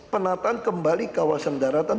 penataan kembali kawasan daratan